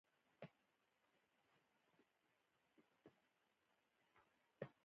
ځمکه د افغانستان د اقلیم یوه بله طبیعي ځانګړتیا ده.